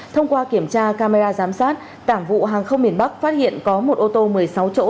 thông qua kiểm tra camera giám sát cảng vụ hàng không miền bắc phát hiện có một ô tô một mươi sáu chỗ